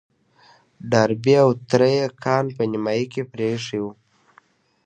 ډاربي او تره يې کان په نيمايي کې پرېيښی و.